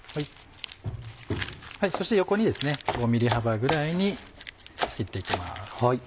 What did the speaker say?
そして横に５ｍｍ幅ぐらいに切っていきます。